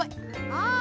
ああ。